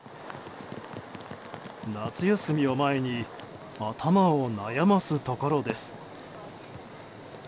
夏休みを前に頭を悩ますところです。